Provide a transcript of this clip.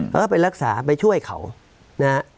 แล้วก็ไปรักษาไปช่วยเขานะฮะ